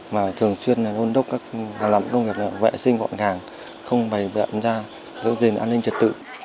và thường xuyên luôn đốc các làm công việc vệ sinh vọng hàng không phải vệ án ra giữ gìn an ninh trật tự